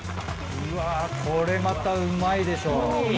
うわこれまたうまいでしょ。